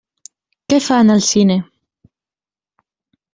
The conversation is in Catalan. Què fan al cine?